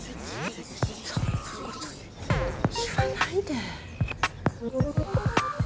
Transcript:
そんなこと言わないで。